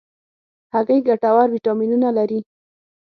هګۍ ګټور ویټامینونه لري.